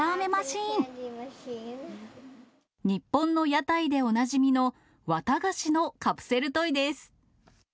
日本の屋台でおなじみの、綿菓子のカプセルトイです。